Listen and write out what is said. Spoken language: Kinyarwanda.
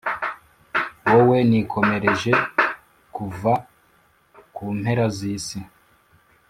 wowe nikomereje kuva ku mpera z’isi,